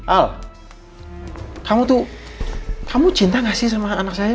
al kamu tuh kamu cinta gak sih sama anak saya